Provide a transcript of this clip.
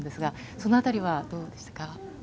そのあたりは、どうでしたか？